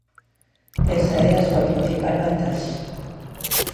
Esa é a súa principal vantaxe.